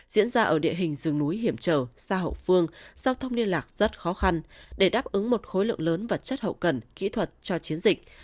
diễn ra ở địa hình rừng núi hiểm trở xa hậu phương giao thông liên lạc rất khó khăn để đáp ứng một khối lượng lớn vật chất hậu cần kỹ thuật cho chiến dịch